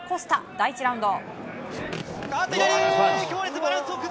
第１ラウンド。